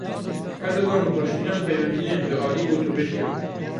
Erdogan û Paşinyan peywendiyên dualî gotûbêj kirin.